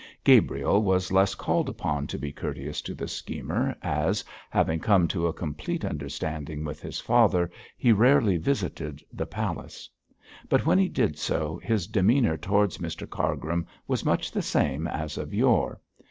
Gabriel was less called upon to be courteous to the schemer, as, having come to a complete understanding with his father, he rarely visited the palace; but when he did so his demeanour towards Mr Cargrim was much the same as of yore.